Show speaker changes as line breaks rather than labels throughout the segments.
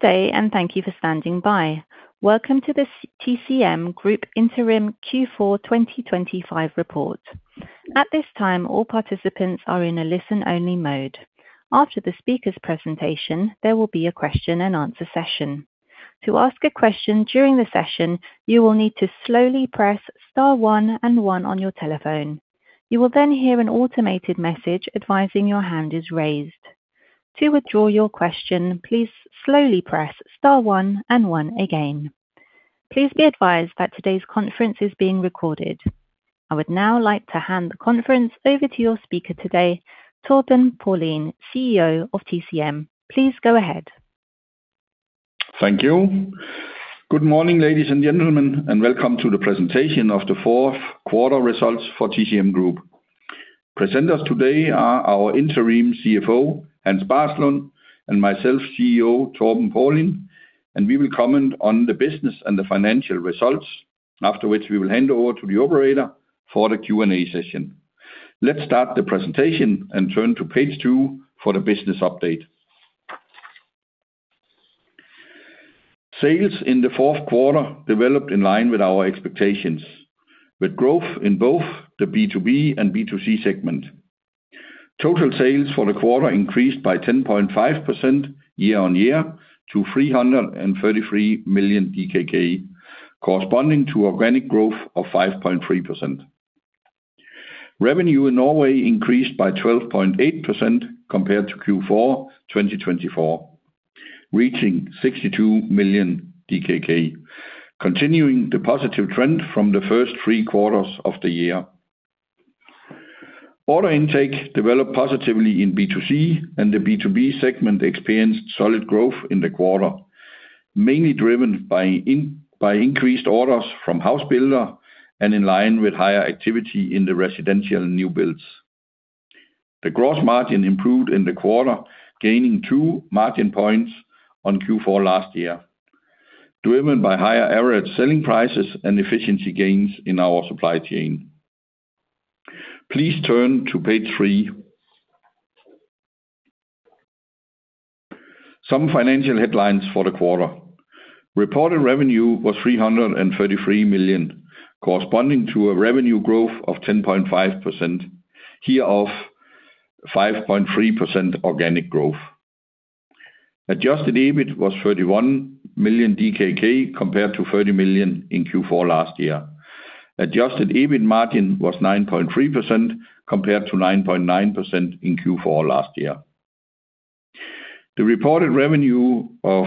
Good day. Thank you for standing by. Welcome to the TCM Group Interim Q4 2025 report. At this time, all participants are in a listen-only mode. After the speaker's presentation, there will be a question-and-answer session. To ask a question during the session, you will need to slowly press star one and one on your telephone. You will hear an automated message advising your hand is raised. To withdraw your question, please slowly press star one and one again. Please be advised that today's conference is being recorded. I would now like to hand the conference over to your speaker today, Torben Paulin, CEO of TCM. Please go ahead.
Thank you. Good morning, ladies and gentlemen, and welcome to the presentation of the fourth quarter results for TCM Group. Presenters today are our Interim CFO, Hans Barslund, and myself, CEO Torben Paulin, and we will comment on the business and the financial results, after which we will hand over to the operator for the Q&A session. Let's start the presentation and turn to page two for the business update. Sales in the fourth quarter developed in line with our expectations, with growth in both the B2B and B2C segment. Total sales for the quarter increased by 10.5% year-on-year to 333 million DKK, corresponding to organic growth of 5.3%. Revenue in Norway increased by 12.8% compared to Q4 2024, reaching 62 million DKK, continuing the positive trend from the first three quarters of the year. Order intake developed positively in B2C, the B2B segment experienced solid growth in the quarter, mainly driven by increased orders from housebuilder and in line with higher activity in the residential newbuilds. The gross margin improved in the quarter, gaining two margin points on Q4 last year, driven by higher average selling prices and efficiency gains in our supply chain. Please turn to page three. Some financial headlines for the quarter. Reported revenue was 333 million, corresponding to a revenue growth of 10.5%, hereof 5.3% organic growth. Adjusted EBIT was 31 million DKK, compared to 30 million in Q4 last year. Adjusted EBIT margin was 9.3%, compared to 9.9% in Q4 last year. The reported revenue of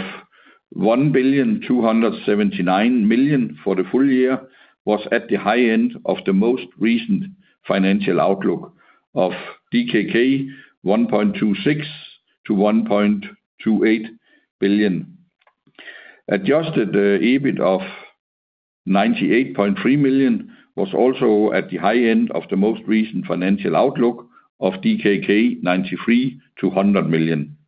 1.279 billion for the full year was at the high end of the most recent financial outlook of 1.26 billion-1.28 billion DKK. Adjusted EBIT of 98.3 million was also at the high end of the most recent financial outlook of 93 million-100 million DKK.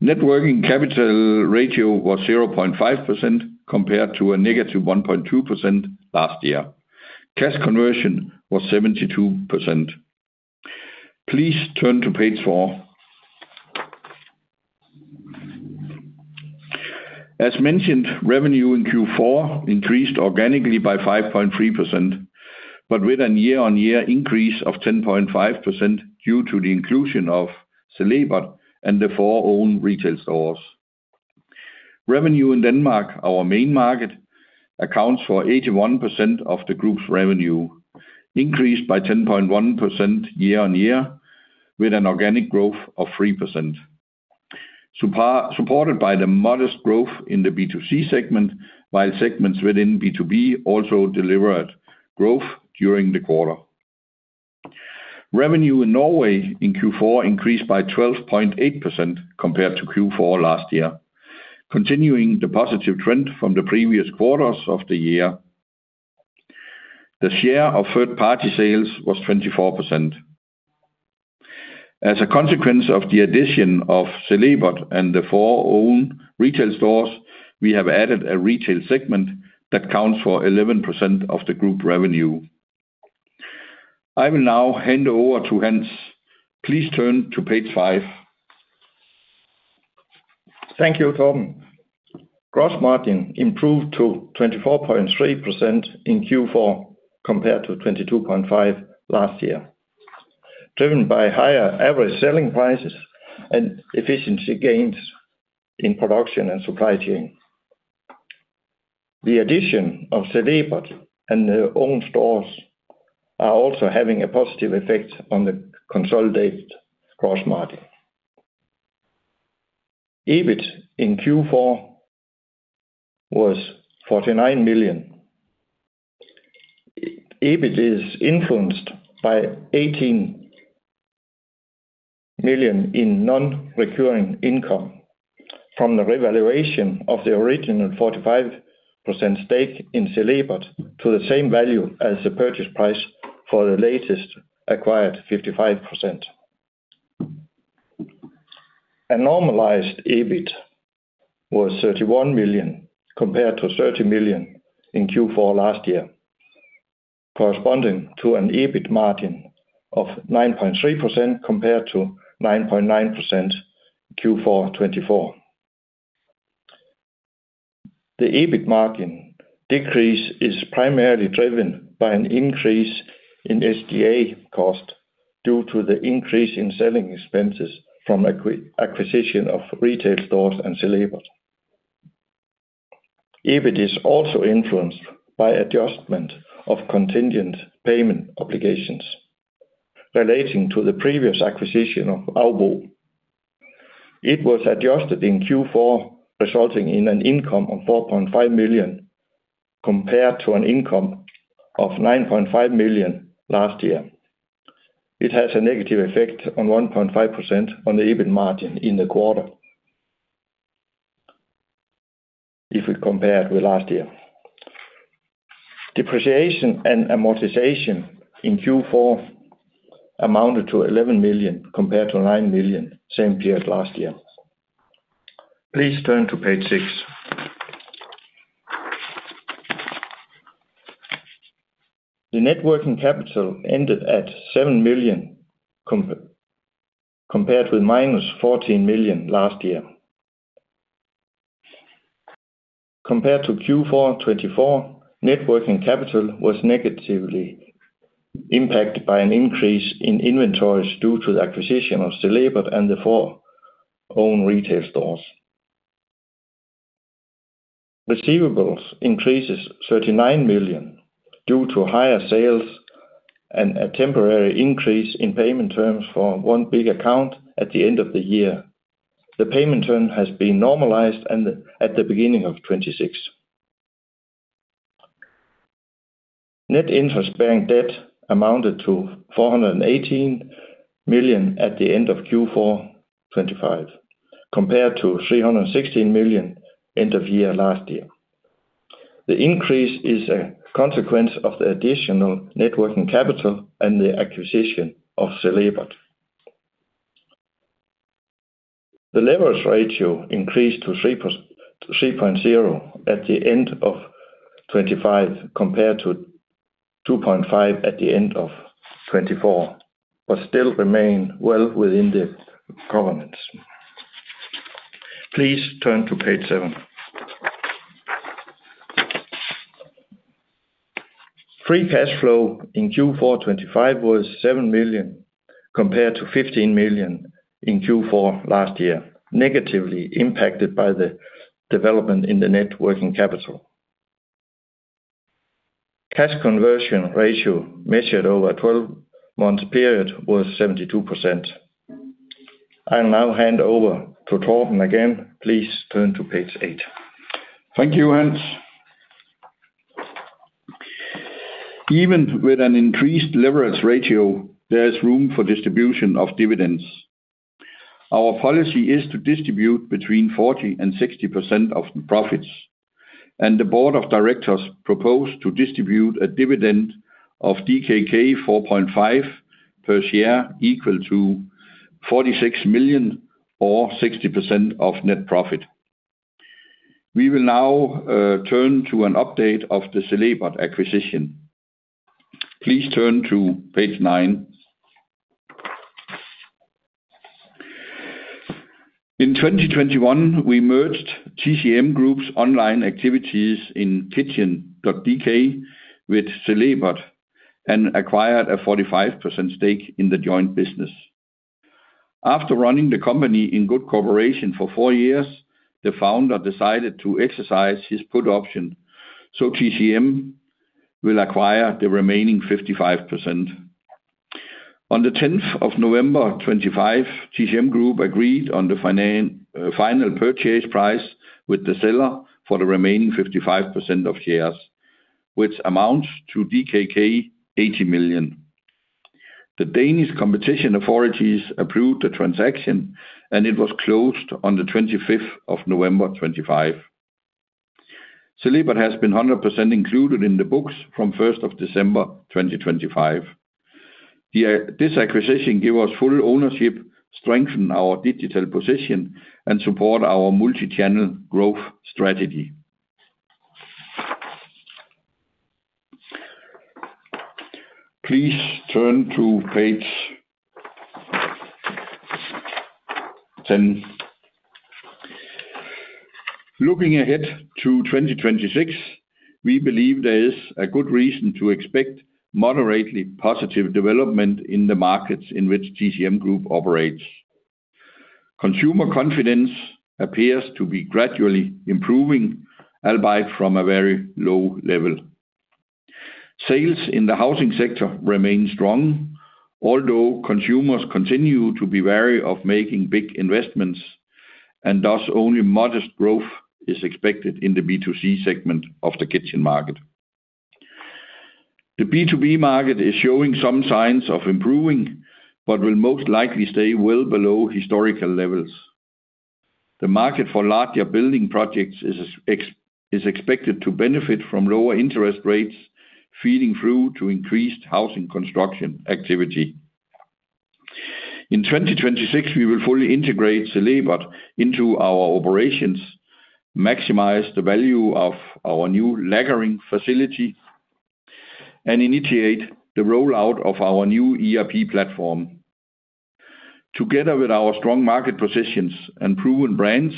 Net working capital ratio was 0.5%, compared to a -1.2% last year. Cash conversion was 72%. Please turn to page four. As mentioned, revenue in Q4 increased organically by 5.3%, with a year-on-year increase of 10.5% due to the inclusion of Celebert and the four own retail stores. Revenue in Denmark, our main market, accounts for 81% of the group's revenue, increased by 10.1% year-on-year, with an organic growth of 3%. Supported by the modest growth in the B2C segment, segments within B2B also delivered growth during the quarter. Revenue in Norway in Q4 increased by 12.8% compared to Q4 last year, continuing the positive trend from the previous quarters of the year. The share of third-party sales was 24%. A consequence of the addition of Celebert and the four own retail stores, we have added a retail segment that accounts for 11% of the group revenue. I will now hand over to Hans. Please turn to page five.
Thank you, Torben. Gross margin improved to 24.3% in Q4, compared to 22.5% last year, driven by higher average selling prices and efficiency gains in production and supply chain. The addition of Celebert and the own stores are also having a positive effect on the consolidated gross margin. EBIT in Q4 was 49 million. EBIT is influenced by 18 million in non-recurring income from the revaluation of the original 45% stake in Celebert to the same value as the purchase price for the latest acquired 55%. A normalized EBIT was 31 million, compared to 30 million in Q4 last year, corresponding to an EBIT margin of 9.3% compared to 9.9% in Q4 2024. The EBIT margin decrease is primarily driven by an increase in SGA cost due to the increase in selling expenses from acquisition of retail stores and Celebert. EBIT is also influenced by adjustment of contingent payment obligations relating to the previous acquisition of AUBO. It was adjusted in Q4, resulting in an income of 4.5 million, compared to an income of 9.5 million last year. It has a negative effect on 1.5% on the EBIT margin in the quarter, if we compare it with last year. Depreciation and amortization in Q4 amounted to 11 million, compared to 9 million same period last year. Please turn to page six. The net working capital ended at 7 million compared with -14 million last year. Compared to Q4 2024, net working capital was negatively impacted by an increase in inventories due to the acquisition of Celebert and the four own retail stores. Receivables increases 39 million due to higher sales and a temporary increase in payment terms for one big account at the end of the year. The payment term has been normalized and at the beginning of 2026. Net interest bearing debt amounted to 418 million at the end of Q4 2025, compared to 316 million end of year, last year. The increase is a consequence of the additional net working capital and the acquisition of Celebert. The leverage ratio increased to 3.0 at the end of 2025, compared to 2.5 at the end of 2024, but still remain well within the governance. Please turn to page seven. Free cash flow in Q4 2025 was 7 million, compared to 15 million in Q4 last year, negatively impacted by the development in the net working capital. Cash conversion ratio, measured over a 12-month period, was 72%. I'll now hand over to Torben again. Please turn to page eight.
Thank you, Hans. Even with an increased leverage ratio, there is room for distribution of dividends. Our policy is to distribute between 40% and 60% of the profits. The Board of Directors proposed to distribute a dividend of DKK 4.5 per share, equal to 46 million or 60% of net profit. We will now turn to an update of the Celebert acquisition. Please turn to page nine. In 2021, we merged TCM Group's online activities in Kitchn.dk with Celebert and acquired a 45% stake in the joint business. After running the company in good cooperation for four years, the Founder decided to exercise his put option. TCM will acquire the remaining 55%. On the 10th of November 2025, TCM Group agreed on the final purchase price with the seller for the remaining 55% of shares, which amounts to DKK 80 million. The Danish competition authorities approved the transaction, and it was closed on the 25th of November 2025. Celebert has been 100% included in the books from 1st of December 2025. The, this acquisition give us full ownership, strengthen our digital position, and support our multi-channel growth strategy. Please turn to page 10. Looking ahead to 2026, we believe there is a good reason to expect moderately positive development in the markets in which TCM Group operates. Consumer confidence appears to be gradually improving, albeit from a very low level. Sales in the housing sector remain strong, although consumers continue to be wary of making big investments, thus only modest growth is expected in the B2C segment of the kitchen market. The B2B market is showing some signs of improving, will most likely stay well below historical levels. The market for larger building projects is expected to benefit from lower interest rates, feeding through to increased housing construction activity. In 2026, we will fully integrate the labor into our operations, maximize the value of our new lacquering facility, initiate the rollout of our new ERP platform. Together with our strong market positions and proven brands,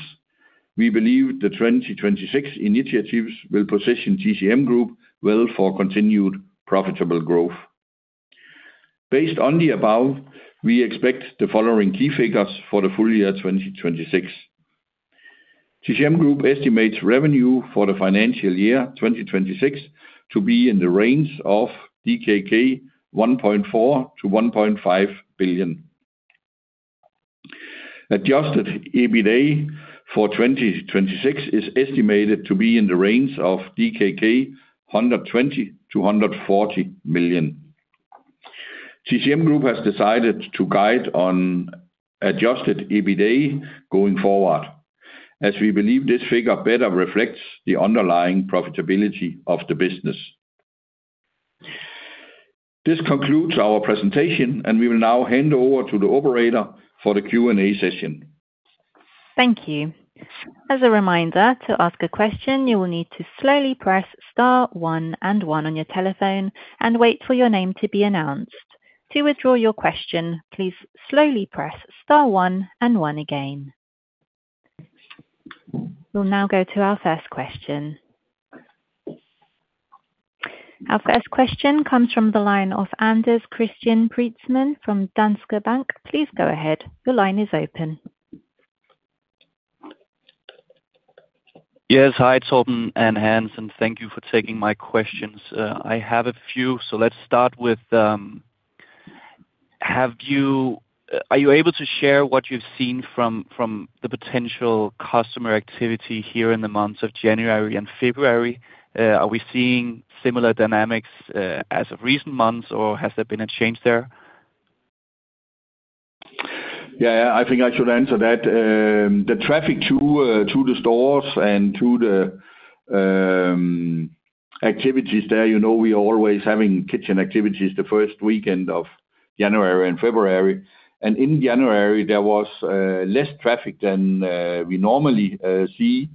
we believe the 2026 initiatives will position TCM Group well for continued profitable growth. Based on the above, we expect the following key figures for the full year 2026. TCM Group estimates revenue for the financial year 2026 to be in the range of 1.4 billion-1.5 billion DKK. Adjusted EBITA for 2026 is estimated to be in the range of 120 million-140 million DKK. TCM Group has decided to guide on adjusted EBITA going forward, as we believe this figure better reflects the underlying profitability of the business. This concludes our presentation, and we will now hand over to the operator for the Q&A session.
Thank you. As a reminder, to ask a question, you will need to slowly press star one and one on your telephone and wait for your name to be announced. To withdraw your question, please slowly press star one and one again. We'll now go to our first question. Our first question comes from the line of Anders Christian Preetzmann from Danske Bank. Please go ahead. Your line is open.
Yes. Hi, Torben and Hans, and thank you for taking my questions. I have a few. Let's start with are you able to share what you've seen from the potential customer activity here in the months of January and February? Are we seeing similar dynamics as of recent months, or has there been a change there?
Yeah, I think I should answer that. The traffic to the stores and to the activities there, you know, we are always having kitchen activities the first weekend of January and February, and in January, there was less traffic than we normally see,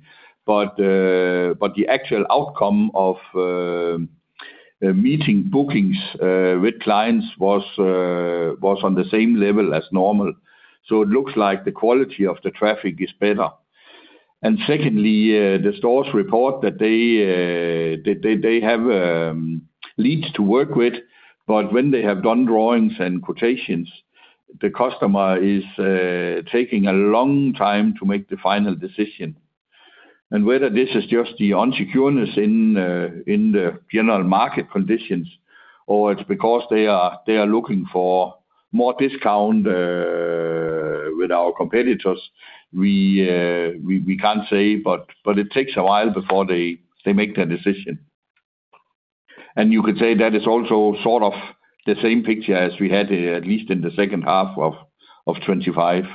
but the actual outcome of meeting bookings with clients was on the same level as normal. So it looks like the quality of the traffic is better. Secondly, the stores report that they have leads to work with, but when they have done drawings and quotations, the customer is taking a long time to make the final decision. Whether this is just the insecurity in the general market conditions, or it's because they are looking for more discount with our competitors, we can't say, but it takes a while before they make their decision. You could say that is also sort of the same picture as we had, at least in the second half of 2025.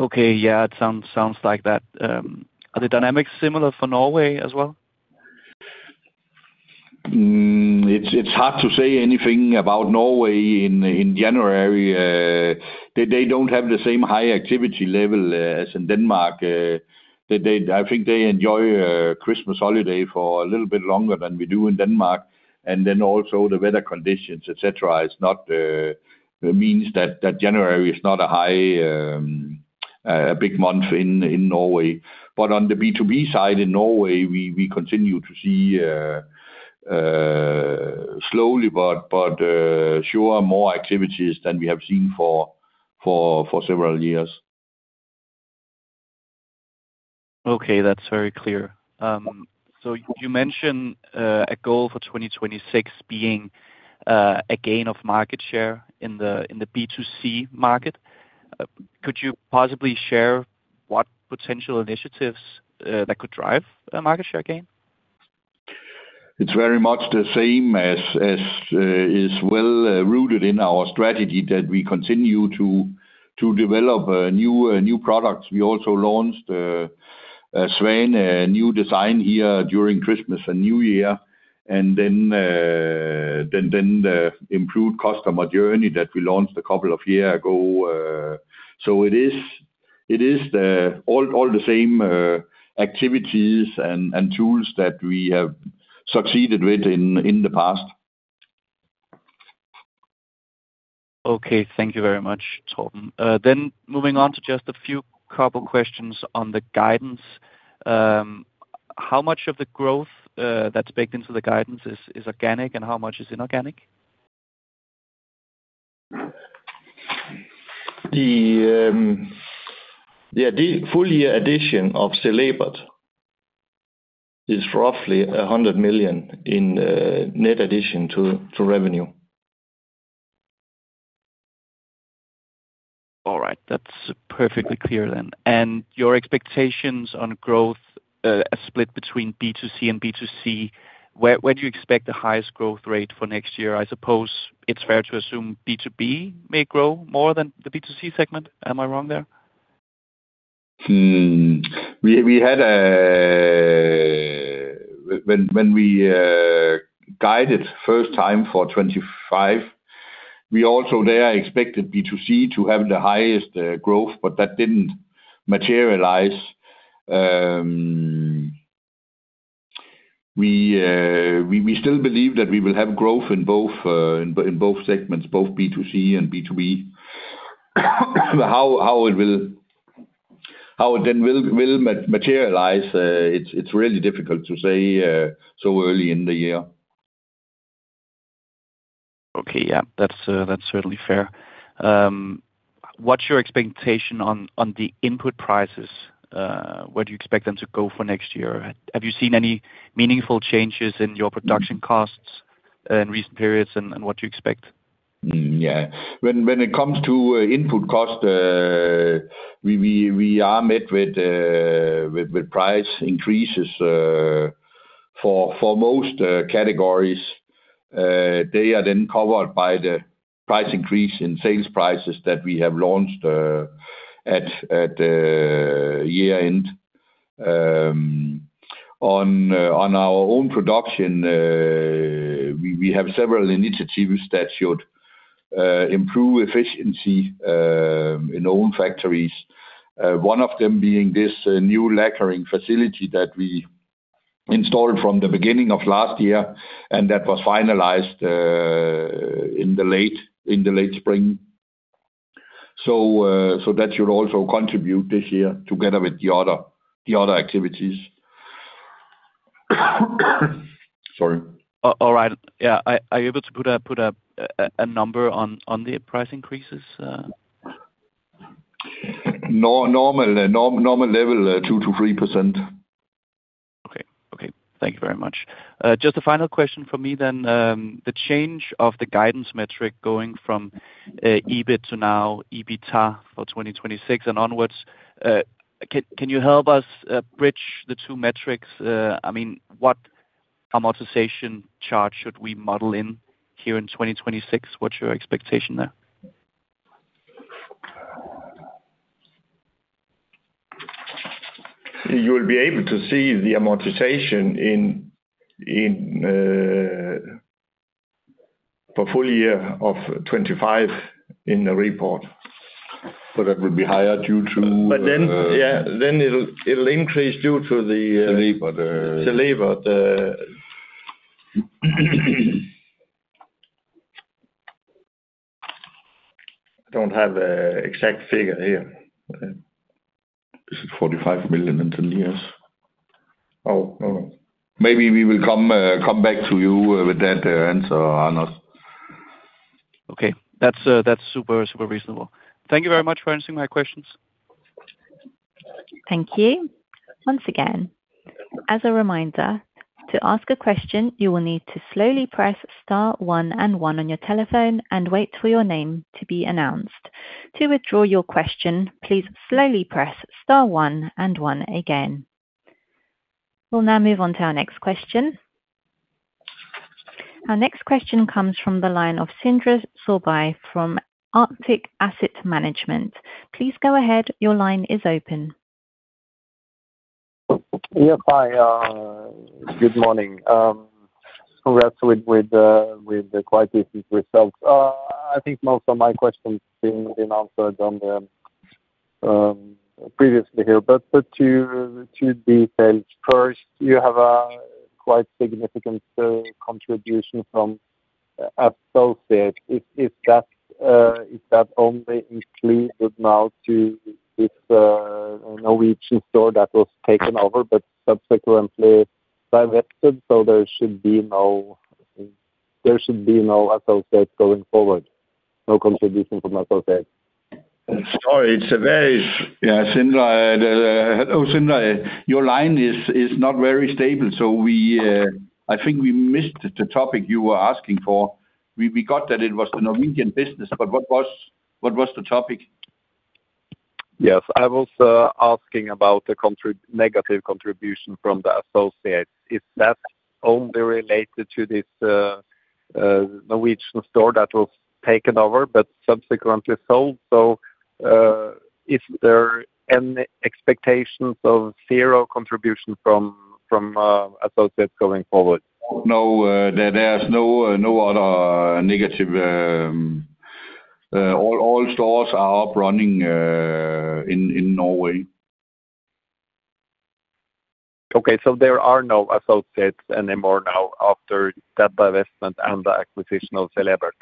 Okay, yeah, it sounds like that. Are the dynamics similar for Norway as well?
It's hard to say anything about Norway in January. They don't have the same high activity level as in Denmark. They, I think they enjoy Christmas holiday for a little bit longer than we do in Denmark, also the weather conditions, et cetera, is not means that January is not a high, a big month in Norway. On the B2B side, in Norway, we continue to see slowly, but sure, more activities than we have seen for several years.
Okay, that's very clear. You mentioned a goal for 2026 being a gain of market share in the B2C market. Could you possibly share what potential initiatives that could drive a market share gain?
It's very much the same as is well rooted in our strategy that we continue to develop new products. We also launched Svane, a new design here during Christmas and New Year, and then the improved customer journey that we launched a couple of year ago. It is the same activities and tools that we have succeeded with in the past.
Okay. Thank you very much, Torben. Moving on to just a few couple questions on the guidance. How much of the growth that's baked into the guidance is organic and how much is inorganic?
The full year addition of Celebert is roughly 100 million in net addition to revenue.
All right. That's perfectly clear then. Your expectations on growth, are split between B2C and B2C, where do you expect the highest growth rate for next year? I suppose it's fair to assume B2B may grow more than the B2C segment. Am I wrong there?
We had when we guided first time for 2025, we also there expected B2C to have the highest growth. That didn't materialize. We still believe that we will have growth in both segments, both B2C and B2B. How it will, how it then will materialize, it's really difficult to say so early in the year.
Okay, yeah. That's, that's certainly fair. What's your expectation on the input prices? Where do you expect them to go for next year? Have you seen any meaningful changes in your production costs, in recent periods, and what you expect?
Yeah. When it comes to input cost, we are met with price increases for most categories. They are then covered by the price increase in sales prices that we have launched at year-end. On our own production, we have several initiatives that should improve efficiency in own factories. One of them being this new lacquering facility that we installed from the beginning of last year, and that was finalized in the late spring. That should also contribute this year together with the other activities. Sorry.
All right. Yeah. Are you able to put a number on the price increases?
Normal level, 2%-3%.
Okay, thank you very much. Just a final question for me then. The change of the guidance metric going from EBIT to now, EBITDA for 2026 and onwards, can you help us bridge the two metrics? I mean, what amortization charge should we model in here in 2026? What's your expectation there?
You will be able to see the amortization in for full year of 2025 in the report. That will be higher due to...
Then it'll increase due to the labor.
I don't have the exact figure here.
Is it 45 million in 10 years? Maybe we will come back to you with that answer, Anders.
Okay. That's, that's super reasonable. Thank you very much for answering my questions.
Thank you. Once again, as a reminder, to ask a question, you will need to slowly press star one and one on your telephone and wait for your name to be announced. To withdraw your question, please slowly press star one and one again. We'll now move on to our next question. Our next question comes from the line of Sindre Sørbye from Arctic Asset Management. Please go ahead. Your line is open.
Yep. Hi, good morning. Congrats with the quite recent results. I think most of my questions have been answered on the, previously here, but to details. First, you have a quite significant contribution from associates. Is that only included now to this Norwegian store that was taken over, but subsequently divested, so there should be no associates going forward, no contribution from associates?
Sorry, it's a very, yeah, Sindre, hello, Sindre. Your line is not very stable, so we, I think we missed the topic you were asking for. We got that it was the Norwegian business. What was the topic?
Yes. I was asking about the negative contribution from the associates. Is that only related to this Norwegian store that was taken over, but subsequently sold? Is there any expectations of zero contribution from associates going forward?
No, there's no other negative, all stores are up running in Norway.
Okay, there are no associates anymore now after that divestment and the acquisition of Celebert?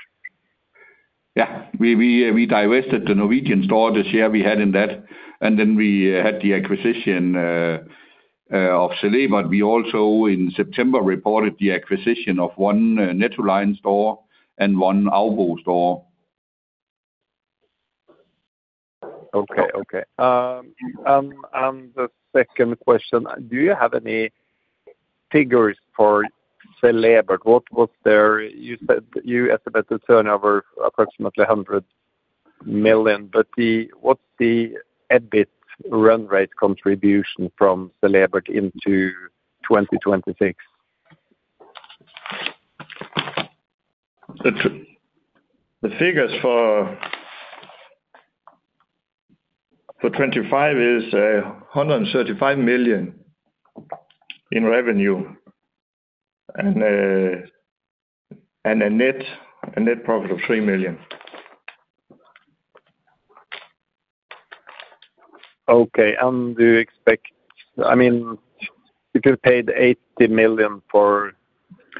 Yeah. We divested the Norwegian store this year we had in that, and then we had the acquisition of Celebert. We also in September, reported the acquisition of one Nettoline store and one AUBO store.
Okay. The second question: Do you have any figures for Celebert? What was their... You said you estimated turnover approximately 100 million, but what's the EBIT run rate contribution from Celebert into 2026?
The figures for 2025 is 135 million in revenue and a net profit of 3 million.
Okay. I mean, if you paid 80 million for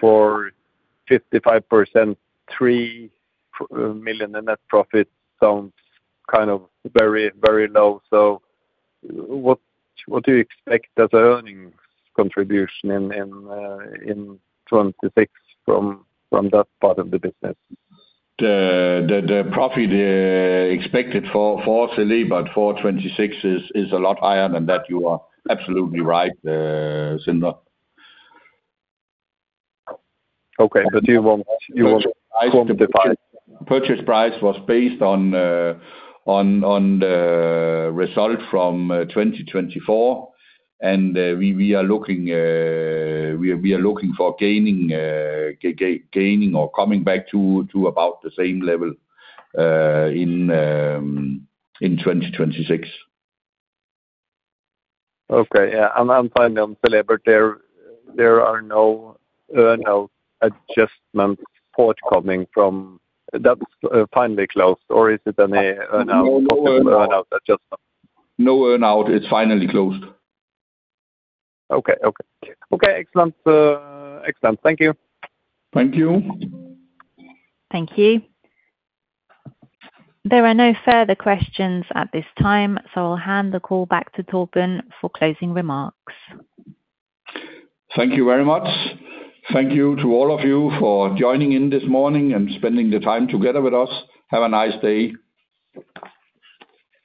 55%, 3 million in net profit sounds kind of very low. What do you expect as an earnings contribution in 2026 from that part of the business?
The profit expected for Celebert for 2026 is a lot higher than that. You are absolutely right, Sindre.
Okay, you won't.
The purchase price was based on the result from 2024. We are looking for gaining or coming back to about the same level in 2026.
Okay. Yeah, finally on Celebert, there are no earn-out adjustments forthcoming from... That's finally closed or is it any earn-out?
No earn-out.
Adjustments.
No earn-out, it's finally closed.
Okay. Okay. Okay, excellent. Thank you.
Thank you.
Thank you. There are no further questions at this time, so I'll hand the call back to Torben for closing remarks.
Thank you very much. Thank you to all of you for joining in this morning and spending the time together with us. Have a nice day.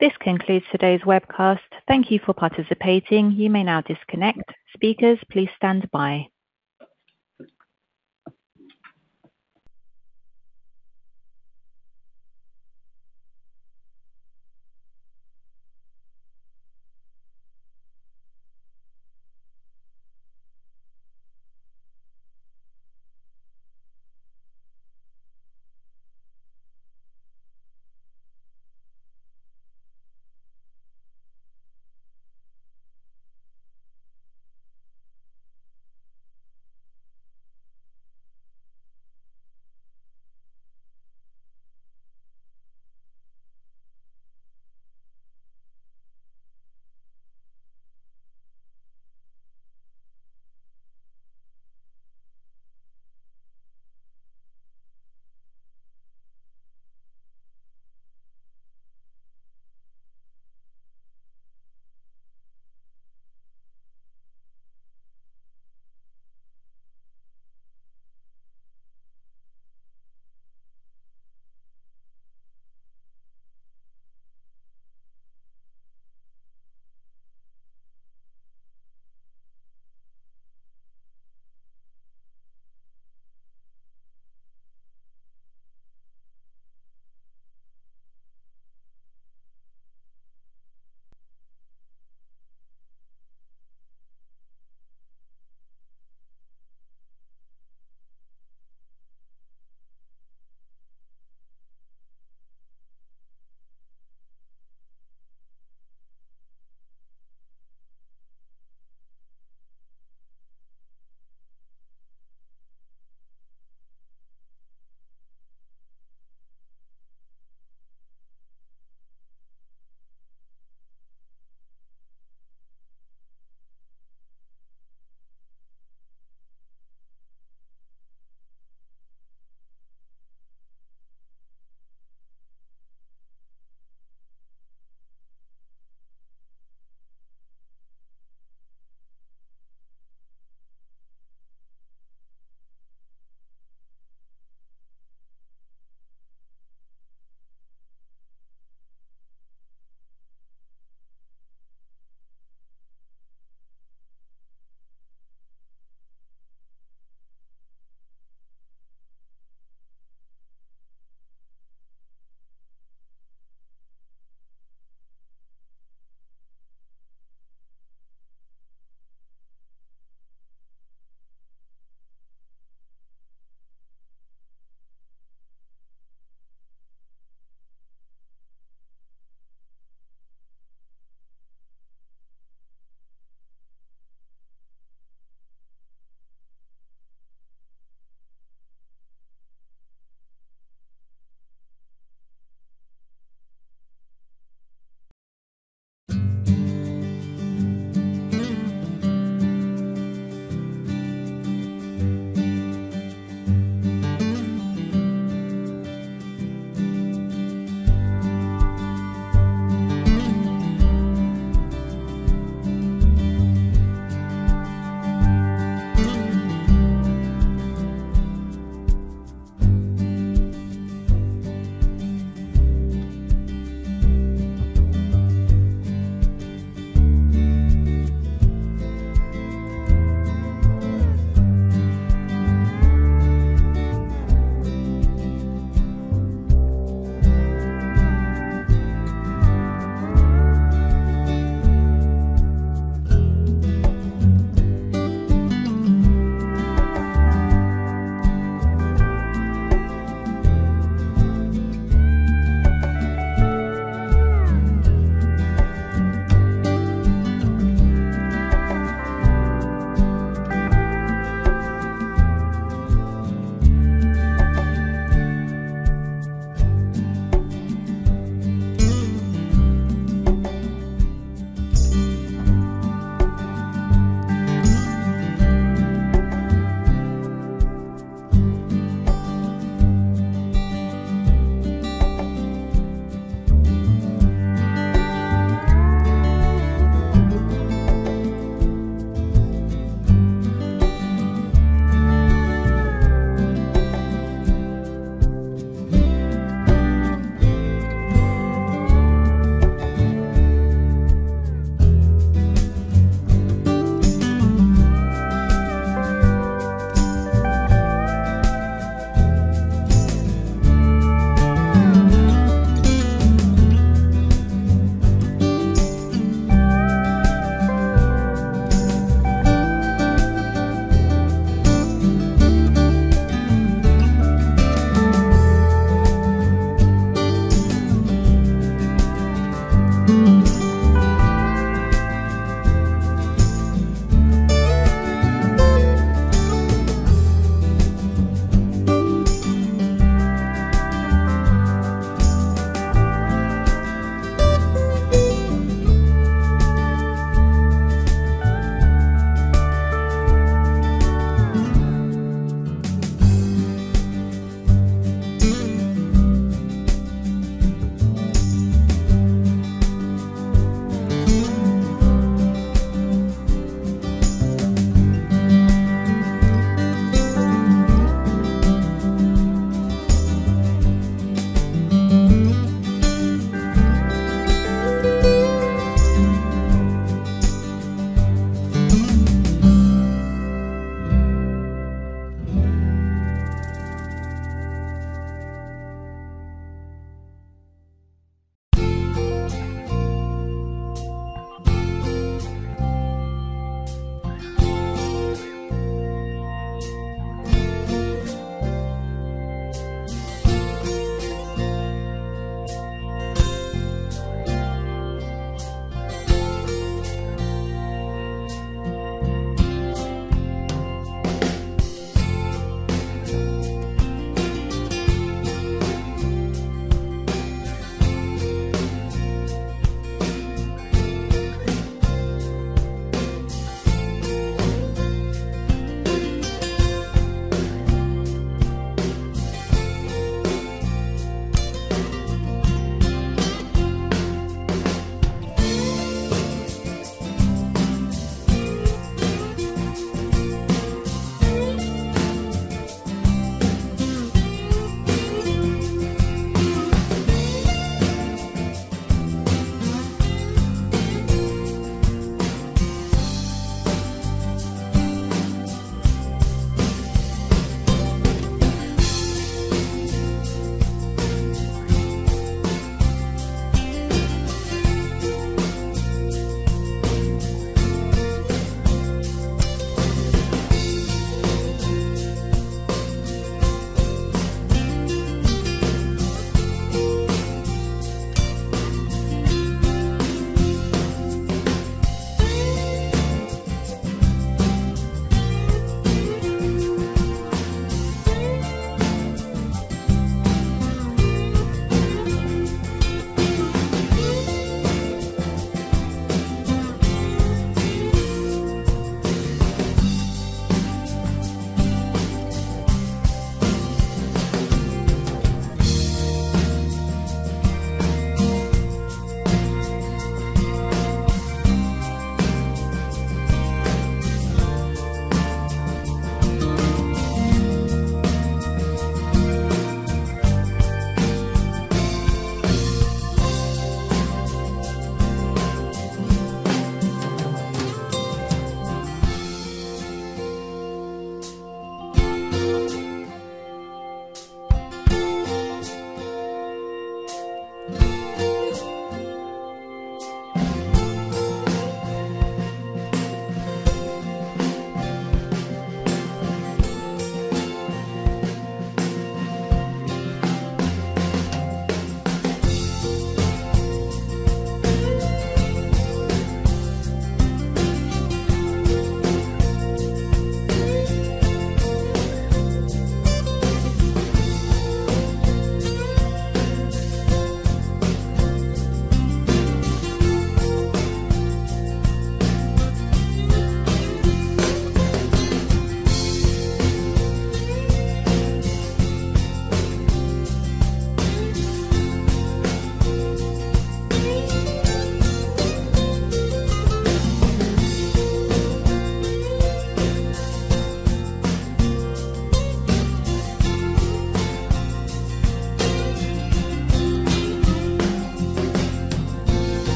This concludes today's webcast. Thank you for participating. You may now disconnect. Speakers, please stand by.